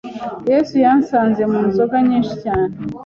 Yesu yansanze mu nzoga nyinshi cyane